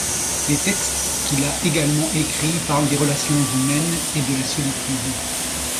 Les textes, qu'il a également écrit, parlent des relations humaines et de la solitude.